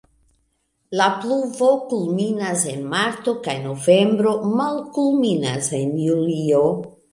La pluvo kulminas en marto kaj novembro, malkulminas en julio.